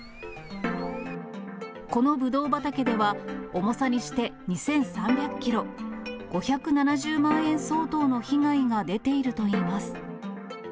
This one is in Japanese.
このブドウ畑では、重さにして２３００キロ、５７０万円相当の被害が出ているといいます。